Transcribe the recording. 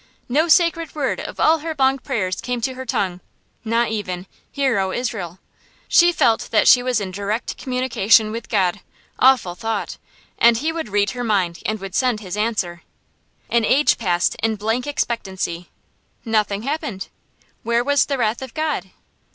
No sacred word of all her long prayers came to her tongue not even "Hear, O Israel." She felt that she was in direct communication with God awful thought! and He would read her mind and would send His answer. [Illustration: SABBATH LOAVES FOR SALE (BREAD MARKET, POLOTZK)] An age passed in blank expectancy. Nothing happened! Where was the wrath of God?